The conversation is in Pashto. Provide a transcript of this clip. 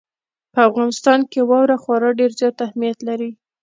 په افغانستان کې واوره خورا ډېر زیات اهمیت لري.